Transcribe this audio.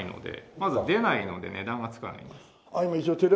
まず出ないので値段がつかないです。